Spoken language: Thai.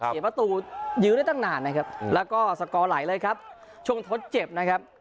เสียประตูยื้อได้ตั้งนานนะครับแล้วก็สกอร์ไหลเลยครับช่วงทดเจ็บนะครับ